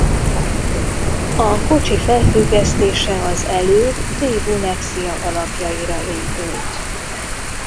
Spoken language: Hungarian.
A kocsi felfüggesztése az előd Daewoo Nexia alapjaira épült.